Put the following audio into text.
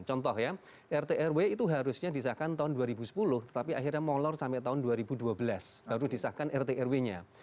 contoh ya rt rw itu harusnya disahkan tahun dua ribu sepuluh tapi akhirnya molor sampai tahun dua ribu dua belas baru disahkan rt rw nya